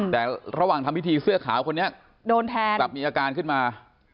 แต่ระหว่างทำพิธีเสื้อขาวคนนี้โดนแทงกลับมีอาการขึ้นมา